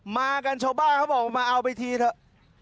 มากันชาวบ้านเขาบอกมาเอาไปทีเถอะ